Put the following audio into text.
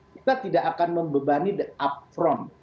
kita tidak akan membebani the upfront